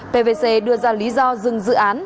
pvc đưa ra lý do dừng dự án